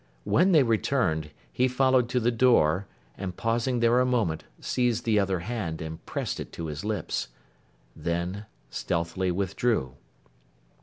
When they returned, he followed to the door, and pausing there a moment, seized the other hand, and pressed it to his lips. Then, stealthily withdrew.